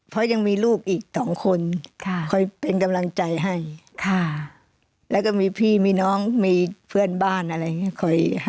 เพราะยังมีลูกอีก๒คนคอยเป็นกำลังใจให้แล้วก็มีพี่มีน้องมีเพื่อนบ้านอะไรอย่างนี้